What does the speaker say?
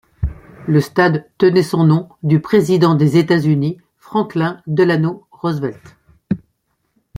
Le stade tenait son nom du président des États-Unis Franklin Delano Roosevelt.